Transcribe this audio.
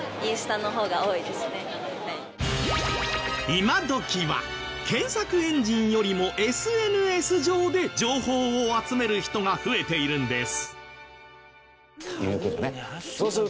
今どきは検索エンジンよりもＳＮＳ上で情報を集める人が増えているんです。